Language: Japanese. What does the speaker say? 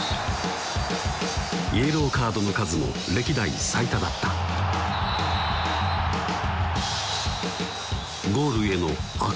イエローカードの数も歴代最多だったゴールへのあく